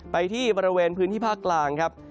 ไปเป็นในพื้นที่ฝากกลางครับ